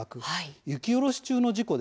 雪下ろし中の事故ですね。